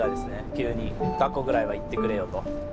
急に『学校ぐらいは行ってくれよ』と」。